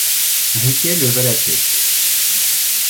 Riquet leva la tête.